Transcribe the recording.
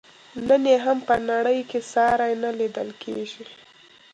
نن یې هم په نړۍ کې ساری نه لیدل کیږي.